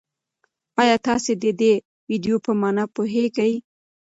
ایا تاسي د دې ویډیو په مانا پوهېږئ؟